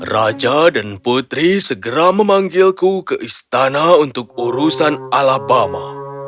raja dan putri segera memanggilku ke istana untuk urusan alabama